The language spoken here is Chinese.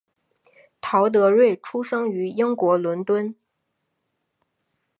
陶德瑞出生于英国伦敦。